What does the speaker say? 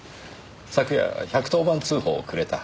昨夜１１０番通報をくれた。